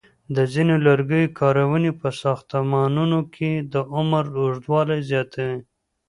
د ځینو لرګیو کارونې په ساختمانونو کې د عمر اوږدوالی زیاتوي.